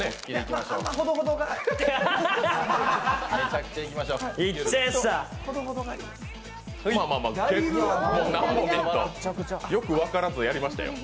まあまあ、よく分からずやりましたよ。